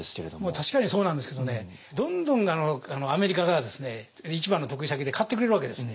確かにそうなんですけどねどんどんアメリカからですね一番の得意先で買ってくれるわけですね。